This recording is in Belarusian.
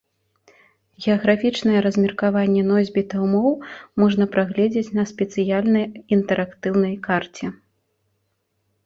Геаграфічнае размеркаванне носьбітаў моў можна праглядзець на спецыяльнай інтэрактыўнай карце.